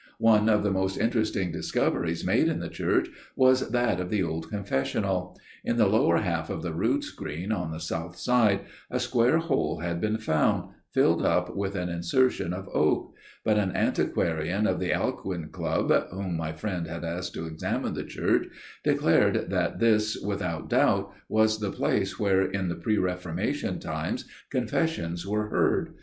One of the most interesting discoveries made in the church was that of the old confessional. In the lower half of the rood screen, on the south side, a square hole had been found, filled up with an insertion of oak; but an antiquarian of the Alcuin Club, whom my friend had asked to examine the church, declared that this without doubt was the place where in the pre Reformation times confessions were heard.